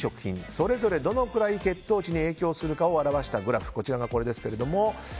それぞれどのくらい血糖値に影響するかを表したグラフがこちらです。